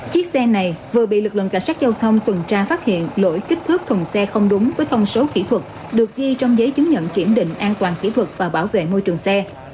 chiếc xe này vừa bị lực lượng cảnh sát giao thông tuần tra phát hiện lỗi kích thước thùng xe không đúng với thông số kỹ thuật được ghi trong giấy chứng nhận kiểm định an toàn kỹ thuật và bảo vệ môi trường xe